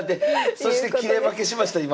そして切れ負けしました今。